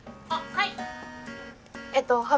はい。